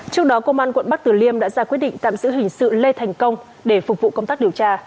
trước đó công an quận bắc tử liêm đã ra quyết định tạm giữ hình sự lê thành công để phục vụ công tác điều tra